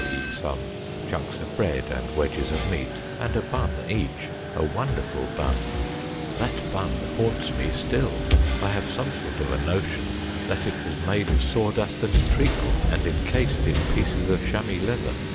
e., some chunks of bread and wedges of meat, and a bun each — a wonderful bun ! That bun haunts me 192 STORIES WEIRD AND WONDERFUL still. I have some sort of notion that it was made of sawdust and treacle, and encased in pieces of chamois leather.